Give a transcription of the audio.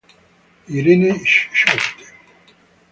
Irene Schouten